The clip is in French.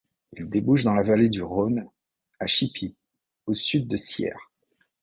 Il débouche dans la vallée du Rhône, à Chippis au sud de Sierre.